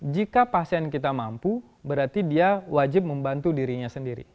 jika pasien kita mampu berarti dia wajib membantu dirinya sendiri